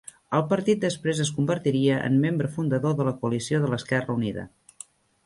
El partit després es convertiria en membre fundador de la coalició de l'Esquerra Unida.